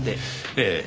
ええ。